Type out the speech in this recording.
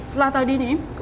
selah tadi nih